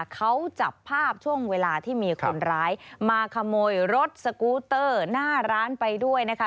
เขาจับภาพช่วงเวลาที่มีคนร้ายมาขโมยรถสกูเตอร์หน้าร้านไปด้วยนะคะ